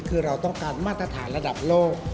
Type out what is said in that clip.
คือเราต้องการมาตรฐานระดับโลก